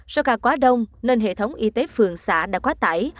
số ca quá đông nên hệ thống y tế phường xã đã quá tải